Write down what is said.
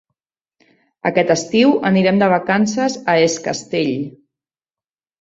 Aquest estiu anirem de vacances a Es Castell.